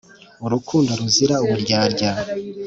Urukundo ruzira uburyarya